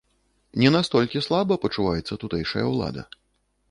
Не настолькі слаба пачуваецца тутэйшая ўлада.